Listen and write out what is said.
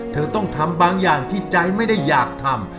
เธอต้องทำบางอย่างที่ใจไม่ได้อยากทำ